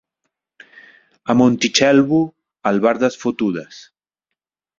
A Montitxelvo, albardes fotudes.